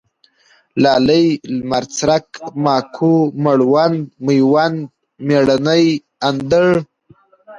لالی ، لمرڅرک ، ماکو ، مړوند ، مېوند ، مېړنی، اندړ